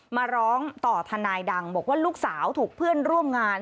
มาร้องต่อทนายดังบอกว่าลูกสาวถูกเพื่อนร่วมงาน